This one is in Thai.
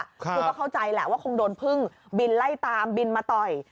คือก็เข้าใจแหละว่าคงโดนพึ่งบินไล่ตามบินมาต่อย